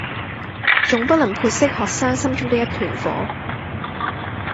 總不能潑熄學生心中的一團火